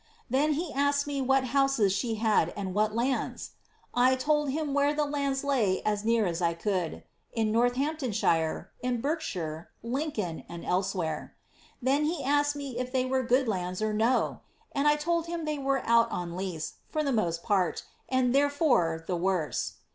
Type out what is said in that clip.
Then he a<kpd me what houses she had and what lands ? 1 told him where the lands lay as near as I could — in Nortiiamptonshire, Berkshire, Lincoln, and eNe where. Then he asked me if they were good lands or no ? and 1 told him they were out on lease, for the most part, and therefore the worse.'